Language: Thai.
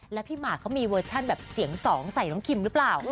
แล้วพี่หมากเขามีเวอร์ชั่นแบบเสียงสองใส่น้องคิมหรือเปล่า